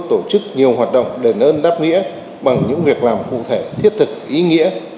tổ chức nhiều hoạt động đền ơn đáp nghĩa bằng những việc làm cụ thể thiết thực ý nghĩa